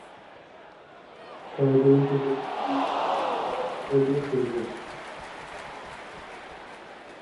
তার অধিকাংশ চলচ্চিত্রের নাম ইংরেজি হরফ "এ" দিয়ে শুরু।